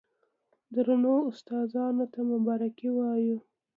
درنو استادانو ته مبارکي وايو،